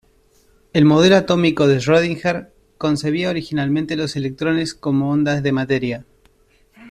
El modelo atómico de Schrödinger concebía originalmente los electrones como ondas de materia.